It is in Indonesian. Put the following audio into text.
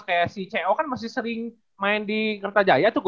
kayak si co kan masih sering main di kertajaya tuh